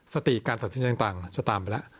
สติการตัดสินใจต่างจะตามไปแล้ว